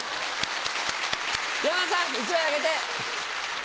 山田さん１枚あげて。